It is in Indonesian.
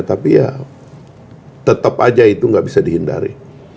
tapi ya tetap aja itu nggak bisa dihindari